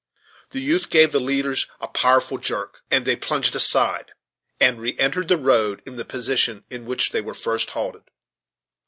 The youth gave the leaders a powerful jerk, and they plunged aside, and re entered the road in the position in which they were first halted.